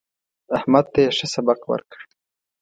احمد ته يې ښه سبق ورکړ.